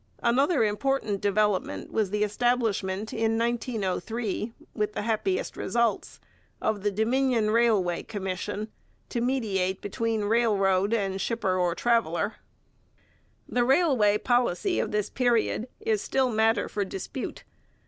Another important development was the establishment, in 1903, with the happiest results, of the Dominion Railway Commission, to mediate between railway and shipper or traveller. The railway policy of this period is still matter for dispute.